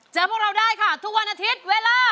เจอพวกเราได้ค่ะทุกอาทิตย์เวลา